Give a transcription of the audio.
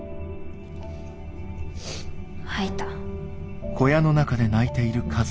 ・吐いた。